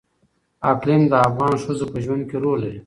اقلیم د افغان ښځو په ژوند کې رول لري.